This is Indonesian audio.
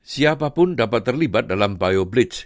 siapapun dapat terlibat dalam bioblic